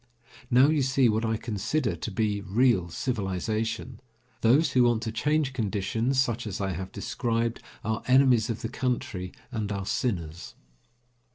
Now you see what I consider to be real civilization. Those who want to change conditions such as I have described are enemies of the country and are sinners.